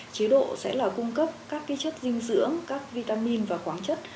chế độ sẽ là cung cấp các chất dinh dưỡng các vitamin và khoáng chất